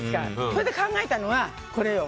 それで考えたのがこれ。